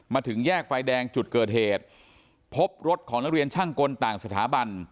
มาถึงแยกไฟแดงจุดเกิดเหตุพบรถของนักเรียนช่างกลต่างสถาบัน